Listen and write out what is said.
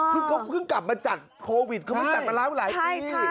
เขาเพิ่งกลับมาจัดโควิดเขาเพิ่งจัดมาแล้วหลายปี